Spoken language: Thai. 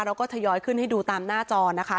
เราก็ทยอยขึ้นให้ดูตามหน้าจอนะคะ